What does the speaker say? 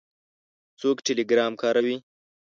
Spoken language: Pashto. څوک ټیلیګرام کاروي؟